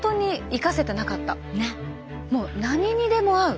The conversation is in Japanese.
もう何にでも合う。